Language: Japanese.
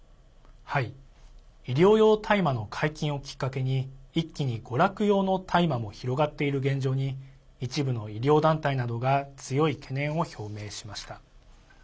医療用大麻の解禁をきっかけに一気に娯楽用の大麻も広がっている現状に一部の医療団体などが強い懸念を表明しました。